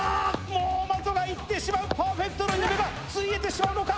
もう的が行ってしまうパーフェクトの夢がついえてしまうのか？